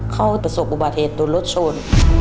เข้าประสบคุณบาทเหตุรถชน